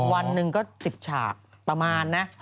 วันหนึ่งก็๑๐ฉากประมาณนะ